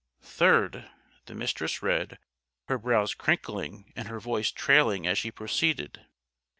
"'Third,'" the Mistress read, her brows crinkling and her voice trailing as she proceeded.